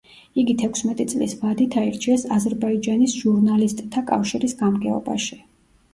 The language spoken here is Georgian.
იგი თექვსმეტი წლის ვადით აირჩიეს აზერბაიჯანის ჟურნალისტთა კავშირის გამგეობაში.